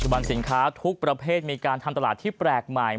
บันสินค้าทุกประเภทมีการทำตลาดที่แปลกใหม่